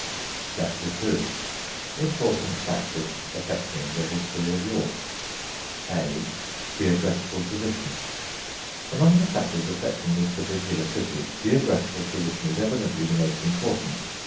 CHAPTER II IMPORTANT FACTORS AFFECTING THE HISTORY OF YORK A. GEOGRAPHICAL POSITION Among the factors affecting this particular city geographical position is evidently the most important.